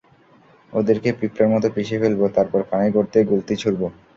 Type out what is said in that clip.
ওদেরকে পিঁপড়ার মতো পিষে ফেলব, তারপর পানির গর্তে গুলতি ছুঁড়ব।